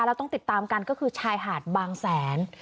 ต้องติดตามกันก็คือชายหาดบางแสน